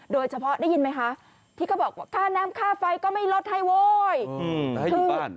โดยเฉพาะได้ยินไหมคะที่เขาบอกว่าค่าน้ำค่าไฟก็ไม่ลดให้โว้ย